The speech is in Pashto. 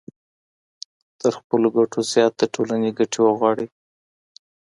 تر خپلو ګټو زيات د ټولني ګټې وغواړئ.